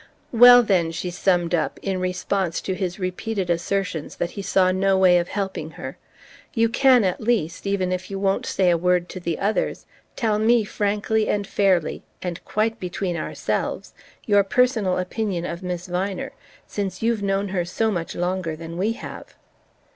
"Well, then," she summed up, in response to his repeated assertions that he saw no way of helping her, "you can, at least, even if you won't say a word to the others, tell me frankly and fairly and quite between ourselves your personal opinion of Miss Viner, since you've known her so much longer than we have."